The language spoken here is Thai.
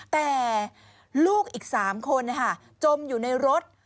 แต่ลูกอีก๓คนจมอยู่ในรถ